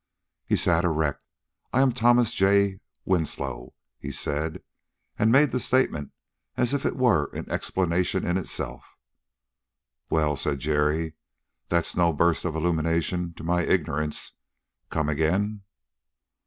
He sat erect. "I am Thomas J. Winslow," he said, and made the statement as if it were an explanation in itself. "Well," said Jerry, "that's no burst of illumination to my ignorance. Come again."